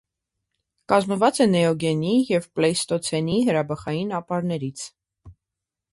Կազմված է նեոգենի և պլեյստոցենի հրաբխային ապարներից։